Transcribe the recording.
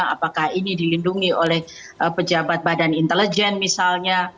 apakah ini dilindungi oleh pejabat badan intelijen misalnya